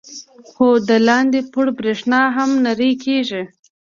خو د لاندې پوړ برېښنا هم نه پرې کېږي.